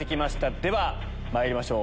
ではまいりましょう。